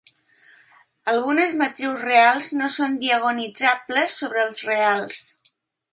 Algunes matrius reals no són diagonalitzables sobre els reals.